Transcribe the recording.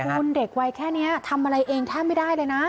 คุณเด็กวัยแค่นี้ทำอะไรเองแทบไม่ได้เลยนะ